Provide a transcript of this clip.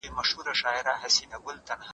د ښځو سیاسي ګډون د حکومتونو حساب ورکونه زیاتوي.